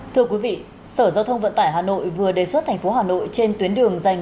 thưa quý vị sở giao thông vận tải hà nội vừa đề xuất tp hcm trên tuyến đường dành